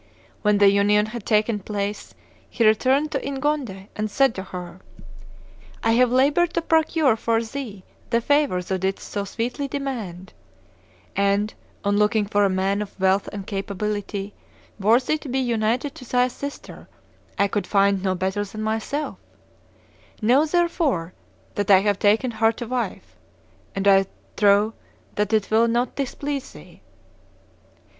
When the union had taken place he returned to Ingonde, and said to her, 'I have labored to procure for thee the favor thou didst so sweetly demand, and, on looking for a man of wealth and capability worthy to be united to thy sister, I could find no better than myself; know, therefore, that I have taken her to wife, and I trow that it will not displease thee.